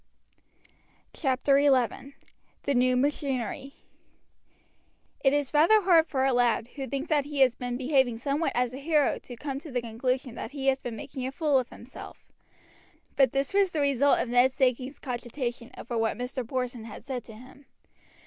CHAPTER XI: THE NEW MACHINERY It is rather hard for a lad who thinks that he has been behaving somewhat as a hero to come to the conclusion that he has been making a fool of himself; but this was the result of Ned Sankey's cogitation over what Mr. Porson had said to him.